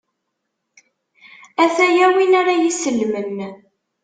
A-t-aya win ara y-isellmen.